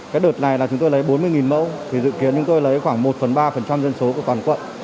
cái đợt này là chúng tôi lấy bốn mươi mẫu thì dự kiến chúng tôi lấy khoảng một phần ba dân số của toàn quận